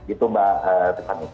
itu mbak tiffany